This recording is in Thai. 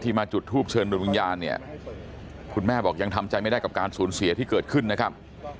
มาจุดทูปเชิญโดยวิญญาณเนี่ยคุณแม่บอกยังทำใจไม่ได้กับการสูญเสียที่เกิดขึ้นนะครับ